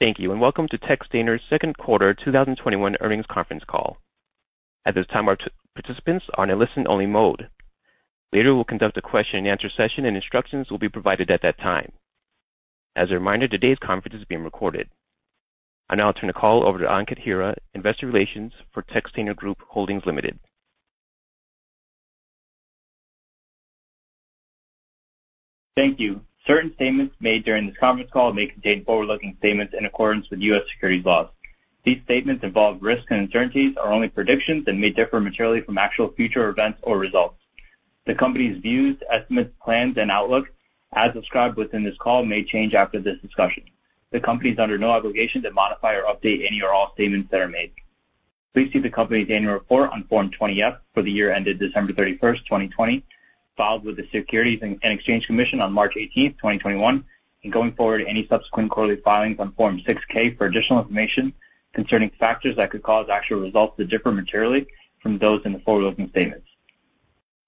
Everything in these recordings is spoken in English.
Thank you, and welcome to Textainer's second quarter 2021 earnings conference call. At this time, our participants are in a listen-only mode. Later, we'll conduct a question-and-answer session. Instructions will be provided at that time. As a reminder, today's conference is being recorded. I now turn the call over to Ankit Hira, Investor Relations for Textainer Group Holdings Limited. Thank you. Certain statements made during this conference call may contain forward-looking statements in accordance with U.S. securities laws. These statements involve risks and uncertainties, are only predictions, and may differ materially from actual future events or results. The company's views, estimates, plans, and outlook as described within this call may change after this discussion. The company is under no obligation to modify or update any or all statements that are made. Please see the company's annual report on Form 20-F for the year ended December 31st, 2020, filed with the Securities and Exchange Commission on March 18th, 2021, and going forward, any subsequent quarterly filings on Form 6-K for additional information concerning factors that could cause actual results to differ materially from those in the forward-looking statements.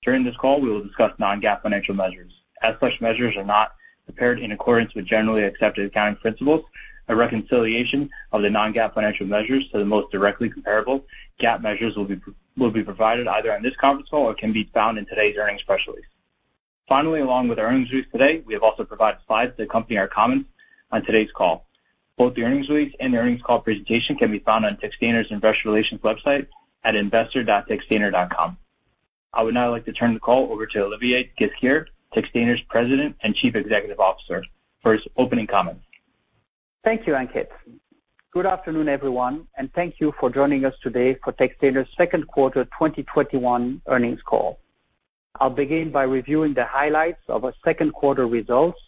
During this call, we will discuss non-GAAP financial measures. As such measures are not prepared in accordance with Generally Accepted Accounting Principles, a reconciliation of the non-GAAP financial measures to the most directly comparable GAAP measures will be provided either on this conference call or can be found in today's earnings press release. Finally, along with our earnings release today, we have also provided slides that accompany our comments on today's call. Both the earnings release and the earnings call presentation can be found on Textainer's Investor Relations website at investor.textainer.com. I would now like to turn the call over to Olivier Ghesquiere, Textainer's President and Chief Executive Officer, for his opening comments. Thank you, Ankit. Good afternoon, everyone, and thank you for joining us today for Textainer's second quarter 2021 earnings call. I'll begin by reviewing the highlights of our second quarter results,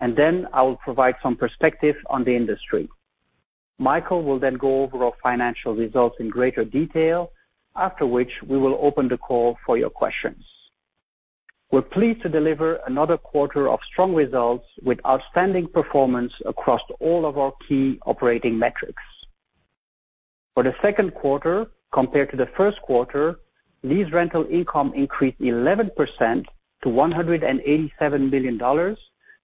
and then I will provide some perspective on the industry. Michael will then go over our financial results in greater detail, after which we will open the call for your questions. We're pleased to deliver another quarter of strong results with outstanding performance across all of our key operating metrics. For the second quarter compared to the first quarter, lease rental income increased 11% to $187 million,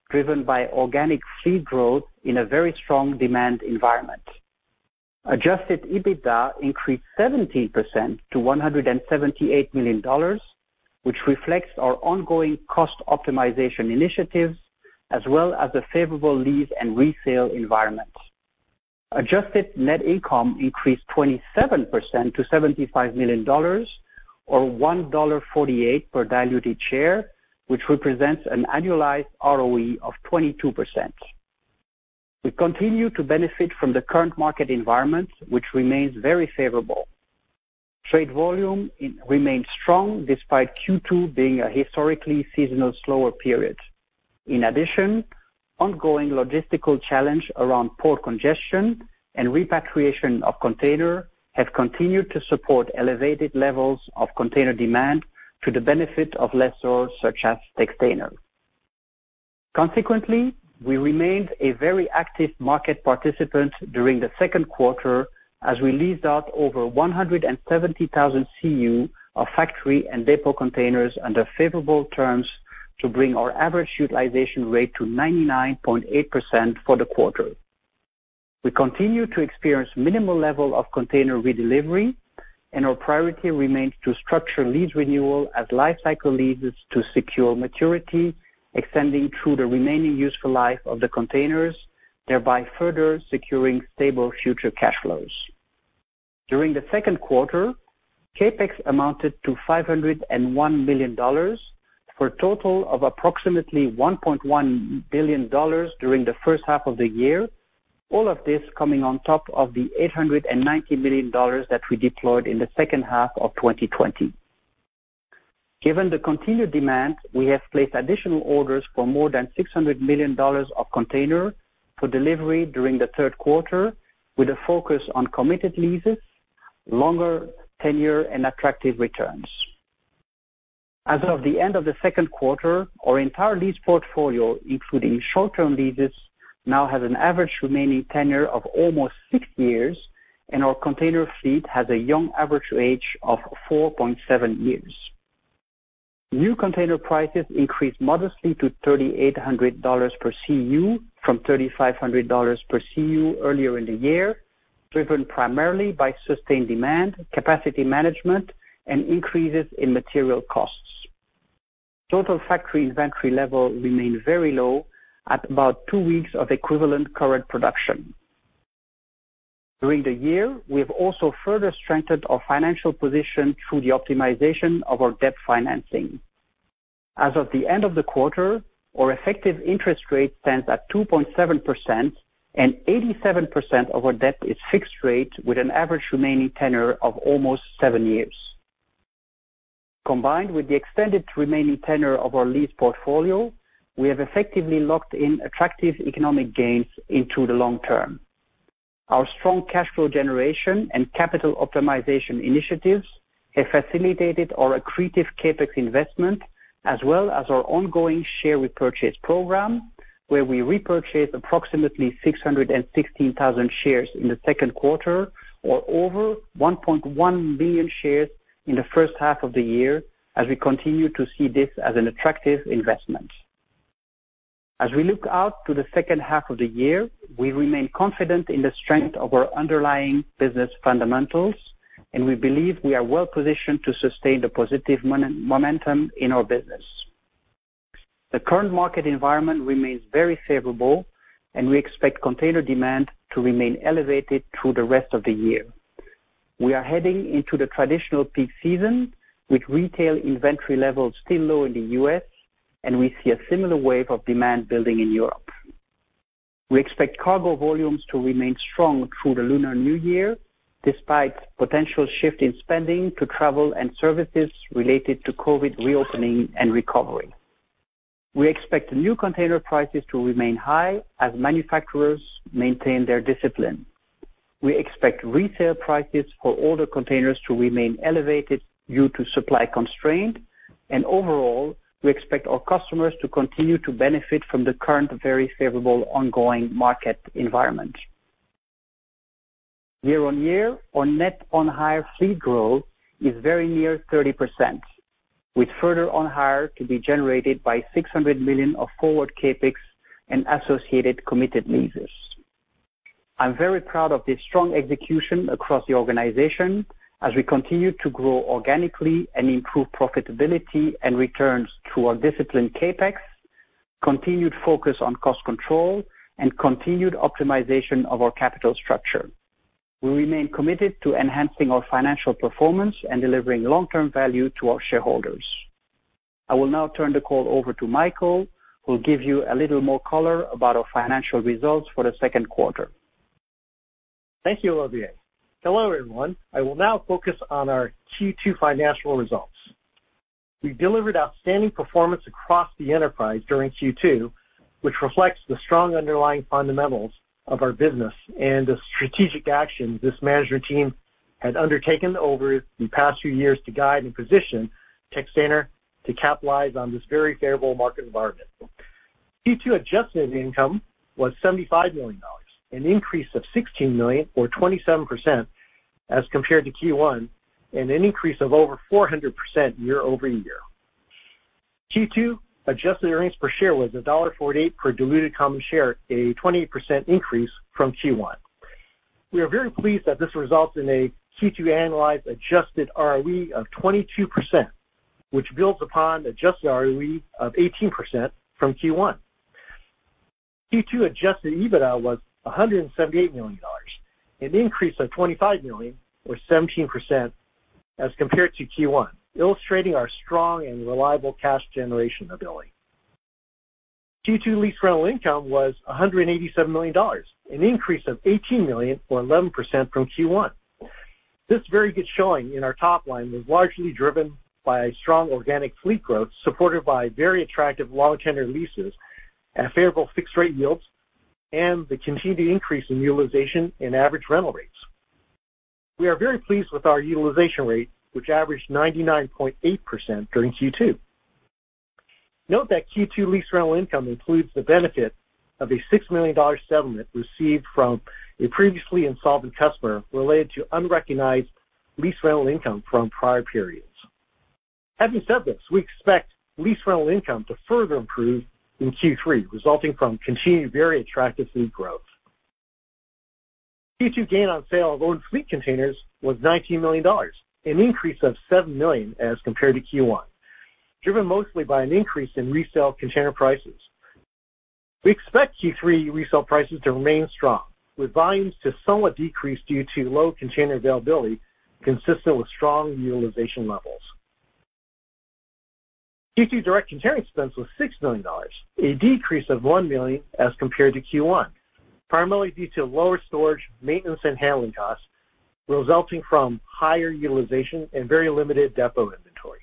driven by organic fee growth in a very strong demand environment. Adjusted EBITDA increased 17% to $178 million, which reflects our ongoing cost optimization initiatives, as well as the favorable lease and resale environment. Adjusted net income increased 27% to $75 million, or $1.48 per diluted share, which represents an annualized ROE of 22%. We continue to benefit from the current market environment, which remains very favorable. Trade volume remains strong despite Q2 being a historically seasonal slower period. In addition, ongoing logistical challenges around port congestion and repatriation of containers have continued to support elevated levels of container demand to the benefit of lessors such as Textainer. Consequently, we remained a very active market participant during the second quarter as we leased out over 170,000 CU of factory and depot containers under favorable terms to bring our average utilization rate to 99.8% for the quarter. We continue to experience minimal level of container redelivery, our priority remains to structure lease renewal as life cycle leases to secure maturity, extending through the remaining useful life of the containers, thereby further securing stable future cash flows. During the second quarter, CapEx amounted to $501 million for a total of approximately $1.1 billion during the first half of the year, all of this coming on top of the $890 million that we deployed in the second half of 2020. Given the continued demand, we have placed additional orders for more than $600 million of container for delivery during the third quarter, with a focus on committed leases, longer tenure, and attractive returns. As of the end of the second quarter, our entire lease portfolio, including short-term leases, now has an average remaining tenure of almost six years, and our container fleet has a young average age of 4.7 years. New container prices increased modestly to $3,800 per CU from $3,500 per CU earlier in the year, driven primarily by sustained demand, capacity management, and increases in material costs. Total factory inventory level remained very low at about two weeks of equivalent current production. During the year, we have also further strengthened our financial position through the optimization of our debt financing. As of the end of the quarter, our effective interest rate stands at 2.7%, and 87% of our debt is fixed rate with an average remaining tenure of almost seven years. Combined with the extended remaining tenure of our lease portfolio, we have effectively locked in attractive economic gains into the long term. Our strong cash flow generation and capital optimization initiatives have facilitated our accretive CapEx investment, as well as our ongoing share repurchase program, where we repurchased approximately 616,000 shares in the second quarter, or over 1.1 million shares in the first half of the year, as we continue to see this as an attractive investment. As we look out to the second half of the year, we remain confident in the strength of our underlying business fundamentals, and we believe we are well positioned to sustain the positive momentum in our business. The current market environment remains very favorable, and we expect container demand to remain elevated through the rest of the year. We are heading into the traditional peak season with retail inventory levels still low in the U.S. We see a similar wave of demand building in Europe. We expect cargo volumes to remain strong through the Lunar New Year, despite potential shift in spending to travel and services related to COVID reopening and recovery. We expect new container prices to remain high as manufacturers maintain their discipline. We expect retail prices for older containers to remain elevated due to supply constraint. Overall, we expect our customers to continue to benefit from the current very favorable ongoing market environment. Year-on-year, our net on-hire fleet growth is very near 30%, with further on-hire to be generated by $600 million of forward CapEx and associated committed leases. I'm very proud of this strong execution across the organization as we continue to grow organically and improve profitability and returns through our disciplined CapEx, continued focus on cost control, and continued optimization of our capital structure. We remain committed to enhancing our financial performance and delivering long-term value to our shareholders. I will now turn the call over to Michael, who will give you a little more color about our financial results for the second quarter. Thank you, Olivier. Hello, everyone. I will now focus on our Q2 financial results. We delivered outstanding performance across the enterprise during Q2, which reflects the strong underlying fundamentals of our business and the strategic actions this management team has undertaken over the past few years to guide and position Textainer to capitalize on this very favorable market environment. Q2 adjusted income was $75 million, an increase of $16 million or 27% as compared to Q1, and an increase of over 400% year over year. Q2 adjusted earnings per share was $1.48 per diluted common share, a 28% increase from Q1. We are very pleased that this results in a Q2 annualized adjusted ROE of 22%, which builds upon adjusted ROE of 18% from Q1. Q2 adjusted EBITDA was $178 million, an increase of $25 million or 17% as compared to Q1, illustrating our strong and reliable cash generation ability. Q2 lease rental income was $187 million, an increase of $18 million or 11% from Q1. This very good showing in our top line was largely driven by strong organic fleet growth, supported by very attractive long-term leases at favorable fixed rate yields and the continued increase in utilization and average rental rates. We are very pleased with our utilization rate, which averaged 99.8% during Q2. Note that Q2 lease rental income includes the benefit of a $6 million settlement received from a previously insolvent customer related to unrecognized lease rental income from prior periods. Having said this, we expect lease rental income to further improve in Q3, resulting from continued very attractive fleet growth. Q2 gain on sale of owned fleet containers was $19 million, an increase of $7 million as compared to Q1, driven mostly by an increase in resale container prices. We expect Q3 resale prices to remain strong, with volumes to somewhat decrease due to low container availability consistent with strong utilization levels. Q2 direct container expense was $6 million, a decrease of $1 million as compared to Q1, primarily due to lower storage, maintenance, and handling costs resulting from higher utilization and very limited depot inventory.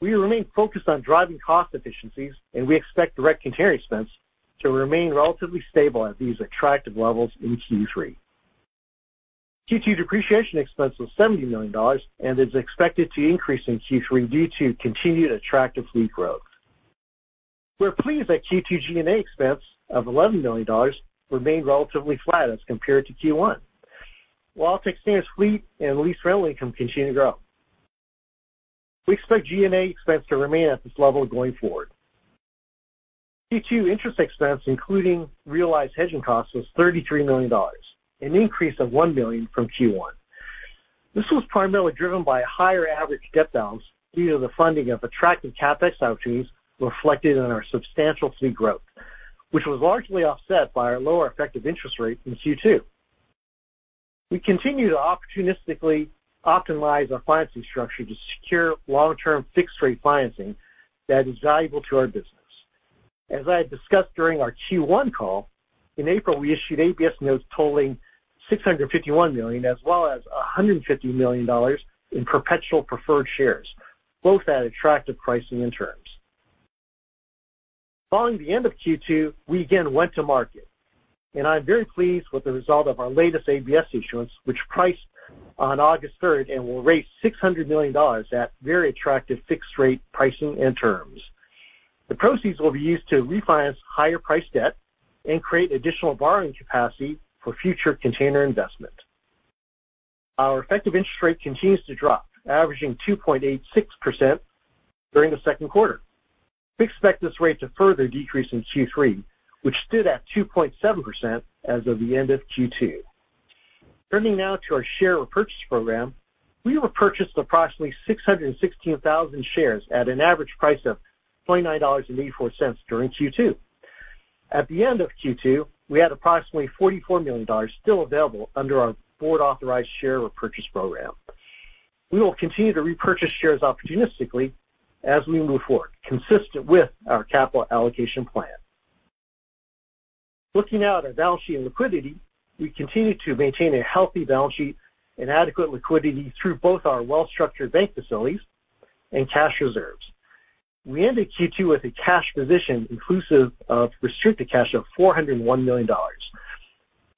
We remain focused on driving cost efficiencies, and we expect direct container expense to remain relatively stable at these attractive levels in Q3. Q2 depreciation expense was $70 million and is expected to increase in Q3 due to continued attractive fleet growth. We're pleased that Q2 G&A expense of $11 million remained relatively flat as compared to Q1. While Textainer's fleet and lease rental income continue to grow, we expect G&A expense to remain at this level going forward. Q2 interest expense, including realized hedging costs, was $33 million, an increase of $1 million from Q1. This was primarily driven by higher average debt balance due to the funding of attractive CapEx opportunities reflected in our substantial fleet growth, which was largely offset by our lower effective interest rate in Q2. We continue to opportunistically optimize our financing structure to secure long-term fixed rate financing that is valuable to our business. As I had discussed during our Q1 call, in April, we issued ABS notes totaling $651 million, as well as $150 million in perpetual preferred shares, both at attractive pricing and terms. Following the end of Q2, we again went to market, and I'm very pleased with the result of our latest ABS issuance, which priced on August 3rd and will raise $600 million at very attractive fixed rate pricing and terms. The proceeds will be used to refinance higher priced debt and create additional borrowing capacity for future container investment. Our effective interest rate continues to drop, averaging 2.86% during the second quarter. We expect this rate to further decrease in Q3, which stood at 2.7% as of the end of Q2. Turning now to our share repurchase program, we repurchased approximately 616,000 shares at an average price of $29.84 during Q2. At the end of Q2, we had approximately $44 million still available under our board-authorized share repurchase program. We will continue to repurchase shares opportunistically as we move forward, consistent with our capital allocation plan. Looking now at our balance sheet and liquidity, we continue to maintain a healthy balance sheet and adequate liquidity through both our well-structured bank facilities and cash reserves. We ended Q2 with a cash position inclusive of restricted cash of $401 million.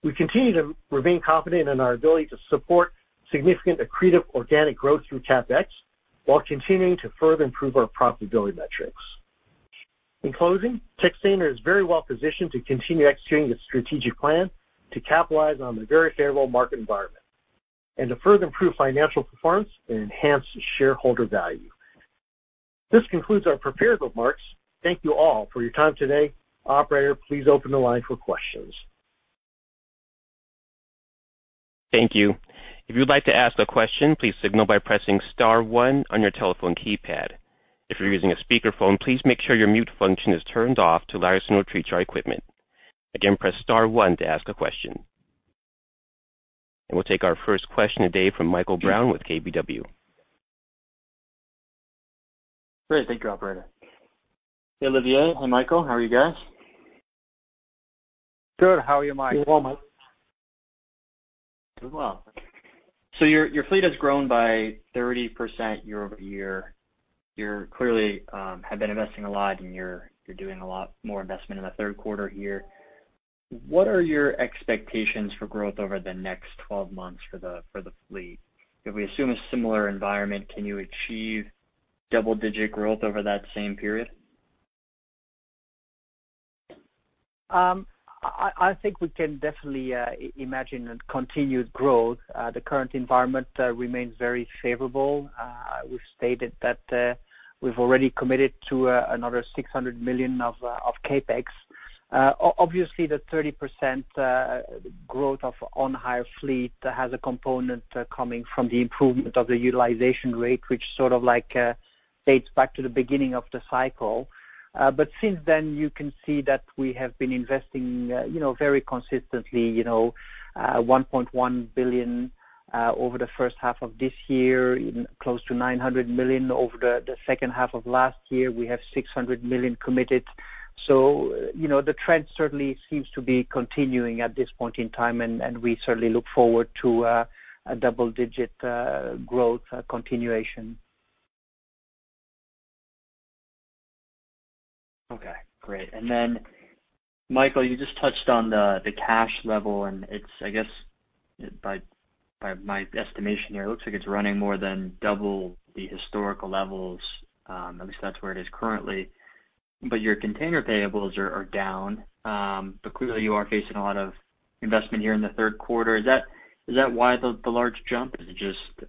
We continue to remain confident in our ability to support significant accretive organic growth through CapEx while continuing to further improve our profitability metrics. In closing, Textainer is very well-positioned to continue executing its strategic plan to capitalize on the very favorable market environment and to further improve financial performance and enhance shareholder value. This concludes our prepared remarks. Thank you all for your time today. Operator, please open the line for questions. Thank you. If you'd like to ask a question, please signal by pressing star one on your telephone keypad. If you're using a speakerphone, please make sure your mute function is turned off to allow us to not disrupt your equipment. Again, press star one to ask a question. We'll take our first question today from Michael Brown with KBW. Great. Thank you, operator. Hey, Olivier. Hey, Michael. How are you guys? Good. How are you, Mike? Doing well, Mike. Doing well. Your fleet has grown by 30% year-over-year. You clearly have been investing a lot, and you're doing a lot more investment in the third quarter here. What are your expectations for growth over the next 12 months for the fleet? If we assume a similar environment, can you achieve double-digit growth over that same period? I think we can definitely imagine a continued growth. The current environment remains very favorable. We've stated that we've already committed to another $600 million of CapEx. Obviously, the 30% growth of on-hire fleet has a component coming from the improvement of the utilization rate, which sort of dates back to the beginning of the cycle. Since then, you can see that we have been investing very consistently, $1.1 billion over the first half of this year, close to $900 million over the second half of last year. We have $600 million committed. The trend certainly seems to be continuing at this point in time, and we certainly look forward to a double-digit growth continuation. Okay, great. Michael, you just touched on the cash level, and it's, I guess, by my estimation here, it looks like it's running more than double the historical levels. At least that's where it is currently. Your container payables are down. Clearly, you are facing a lot of investment here in the third quarter. Is that why the large jump? Is it just,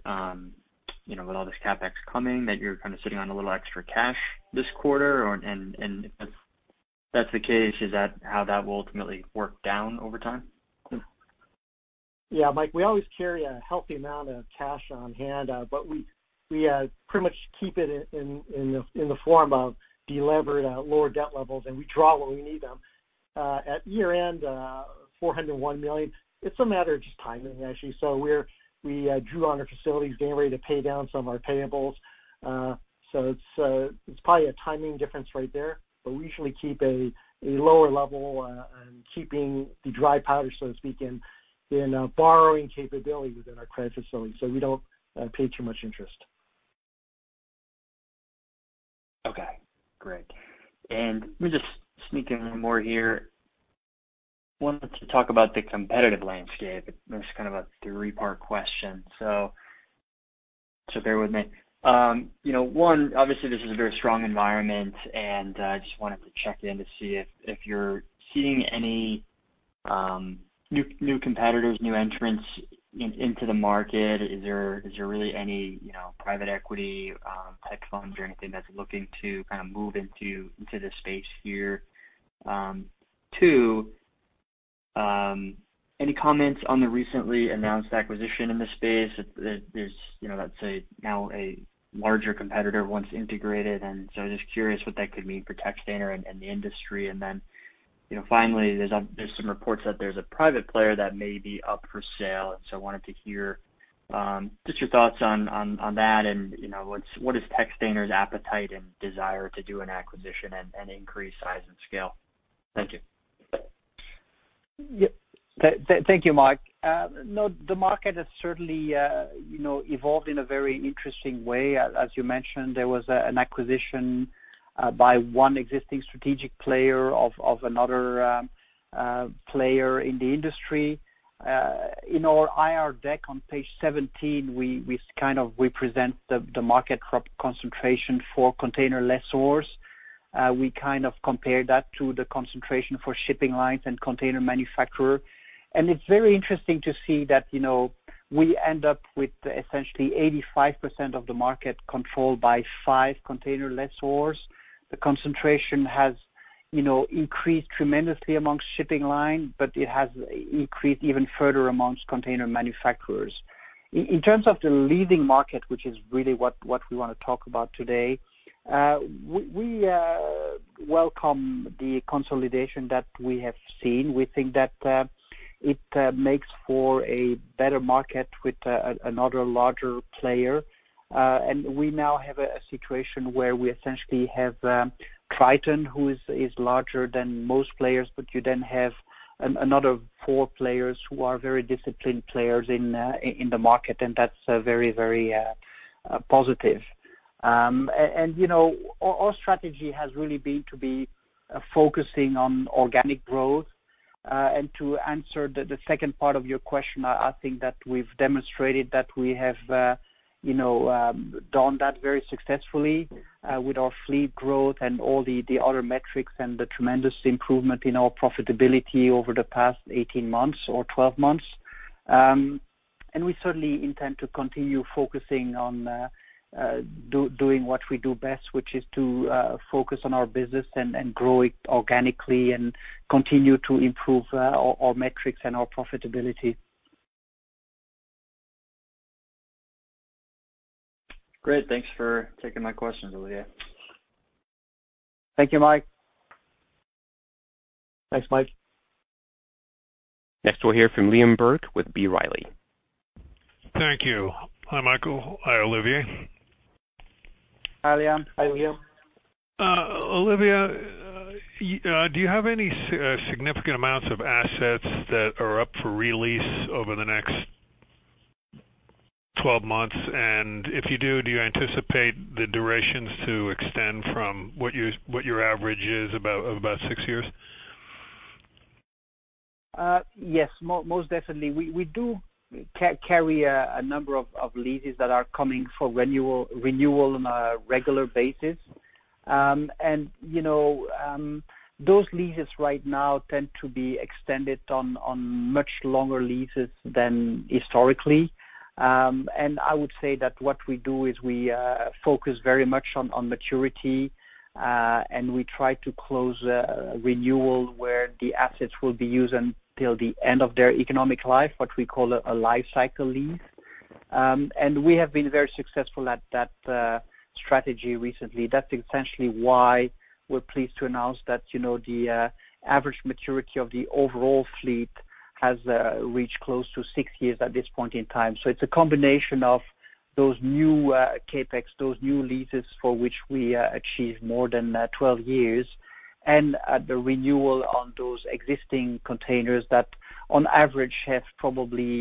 with all this CapEx coming, that you're kind of sitting on a little extra cash this quarter? If that's the case, is that how that will ultimately work down over time? Mike, we always carry a healthy amount of cash on hand, we pretty much keep it in the form of delevered lower debt levels, and we draw when we need them. At year-end, $401 million, it's a matter of just timing, actually. We drew on our facilities getting ready to pay down some of our payables. It's probably a timing difference right there, we usually keep a lower level and keeping the dry powder, so to speak, in borrowing capability within our credit facility, we don't pay too much interest. Okay, great. Let me just sneak in one more here. Wanted to talk about the competitive landscape. This is kind of a three-part question, so bear with me. One, obviously, this is a very strong environment, and I just wanted to check in to see if you're seeing any new competitors, new entrants into the market. Is there really any private equity-type funds or anything that's looking to kind of move into this space here? Two, any comments on the recently announced acquisition in this space? That's now a larger competitor once integrated, and so I'm just curious what that could mean for Textainer and the industry. Finally, there's some reports that there's a private player that may be up for sale. I wanted to hear just your thoughts on that and what is Textainer's appetite and desire to do an acquisition and increase size and scale? Thank you. Thank you, Mike. No, the market has certainly evolved in a very interesting way. As you mentioned, there was an acquisition by one existing strategic player of another player in the industry. In our IR deck on page 17, we present the market concentration for container lessors. We kind of compared that to the concentration for shipping lines and container manufacturers. It's very interesting to see that, we end up with essentially 85% of the market controlled by five container lessors. The concentration has increased tremendously amongst shipping lines, but it has increased even further amongst container manufacturers. In terms of the leading market, which is really what we want to talk about today. We welcome the consolidation that we have seen. We think that it makes for a better market with another larger player. We now have a situation where we essentially have Triton, who is larger than most players, but you then have another four players who are very disciplined players in the market, and that's very positive. Our strategy has really been to be focusing on organic growth. To answer the second part of your question, I think that we've demonstrated that we have done that very successfully, with our fleet growth and all the other metrics and the tremendous improvement in our profitability over the past 18 months or 12 months. We certainly intend to continue focusing on doing what we do best, which is to focus on our business and grow it organically and continue to improve our metrics and our profitability. Great. Thanks for taking my questions, Olivier. Thank you, Mike. Thanks, Mike. We'll hear from Liam Burke with B. Riley. Thank you. Hi, Michael. Hi, Olivier. Hi, Liam. Olivier, do you have any significant amounts of assets that are up for re-lease over the next 12 months? If you do you anticipate the durations to extend from what your average is, about six years? Yes, most definitely. We do carry a number of leases that are coming for renewal on a regular basis. Those leases right now tend to be extended on much longer leases than historically. I would say that what we do is we focus very much on maturity, and we try to close a renewal where the assets will be used until the end of their economic life, what we call a life cycle lease. We have been very successful at that strategy recently. That's essentially why we're pleased to announce that the average maturity of the overall fleet has reached close to six years at this point in time. It's a combination of those new CapEx, those new leases for which we achieved more than 12 years, and the renewal on those existing containers that on average are probably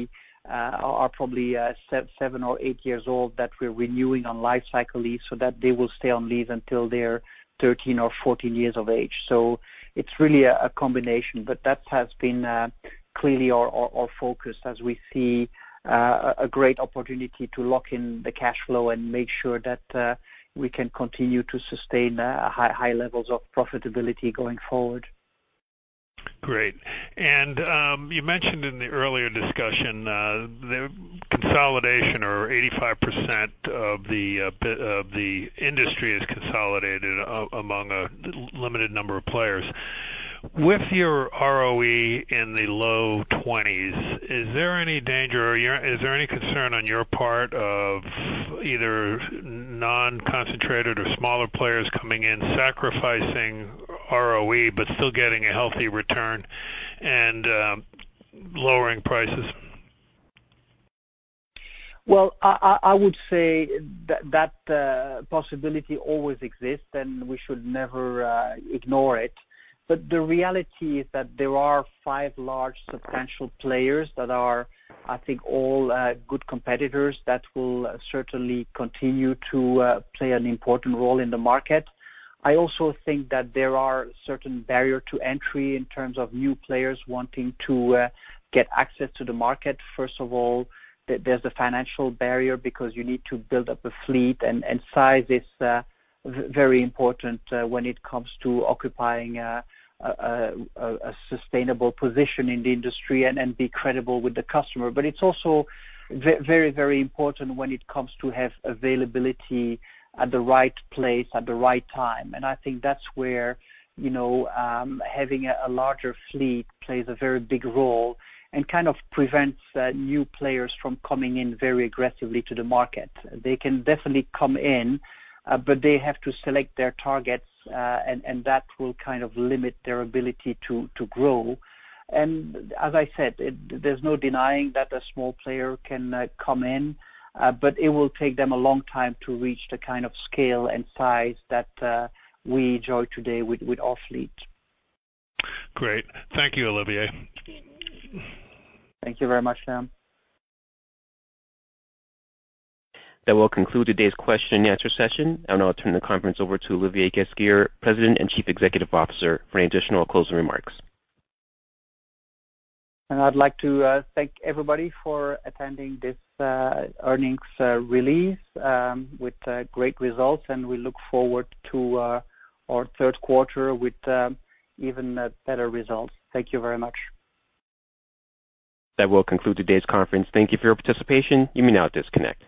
seven or eight years old, that we're renewing on life cycle lease so that they will stay on lease until they're 13 or 14 years of age. It's really a combination, but that has been clearly our focus as we see a great opportunity to lock in the cash flow and make sure that we can continue to sustain high levels of profitability going forward. Great. You mentioned in the earlier discussion, the consolidation or 85% of the industry is consolidated among a limited number of players. With your ROE in the low 20s, is there any danger, or is there any concern on your part of either non-concentrated or smaller players coming in sacrificing ROE, but still getting a healthy return and lowering prices? Well, I would say that possibility always exists, and we should never ignore it. The reality is that there are five large substantial players that are, I think, all good competitors that will certainly continue to play an important role in the market. I also think that there are certain barriers to entry in terms of new players wanting to get access to the market. First of all, there's the financial barrier because you need to build up a fleet and size is very important when it comes to occupying a sustainable position in the industry and be credible with the customer. It's also very important when it comes to have availability at the right place at the right time. I think that's where having a larger fleet plays a very big role and kind of prevents new players from coming in very aggressively to the market. They can definitely come in, but they have to select their targets, and that will kind of limit their ability to grow. As I said, there's no denying that a small player can come in, but it will take them a long time to reach the kind of scale and size that we enjoy today with our fleet. Great. Thank you, Olivier. Thank you very much, Liam. That will conclude today's question-and-answer session, and I'll turn the conference over to Olivier Ghesquiere, President and Chief Executive Officer, for any additional closing remarks. I'd like to thank everybody for attending this earnings release with great results, and we look forward to our third quarter with even better results. Thank you very much. That will conclude today's conference. Thank you for your participation. You may now disconnect.